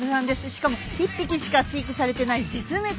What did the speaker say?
しかも１匹しか飼育されてない絶滅危惧種なんです。